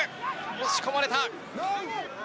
押し込まれた。